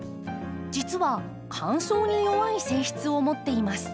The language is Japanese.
実は乾燥に弱い性質を持っています。